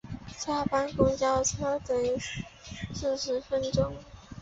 下班公车要等四十分钟